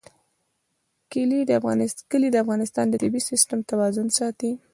کلي د افغانستان د طبعي سیسټم توازن ساتي.